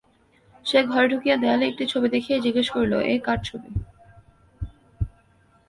সে ঘরে ঢুকিয়া দেয়ালে একটা ছবি দেখিয়াই জিজ্ঞাসা করিল, এ কার ছবি?